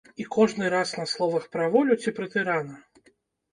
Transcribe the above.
І кожны раз на словах пра волю ці пра тырана?